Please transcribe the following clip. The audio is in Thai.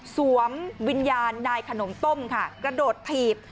สวมวิญญาณได้ขนมต้มค่ะกระโดดผีบ